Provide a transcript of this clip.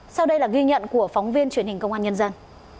sau đây là ghi nhận của phóng viên truyền hình công an nhân dân